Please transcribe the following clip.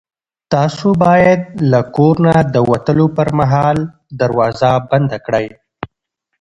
تاسو باید له کور نه د وتلو پر مهال دروازه بنده کړئ.